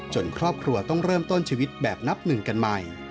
ครอบครัวต้องเริ่มต้นชีวิตแบบนับหนึ่งกันใหม่